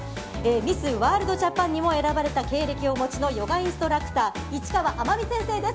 ミス・ワールド・ジャパンにも選ばれた経歴を持つヨガインストラクター市川あまみ先生です。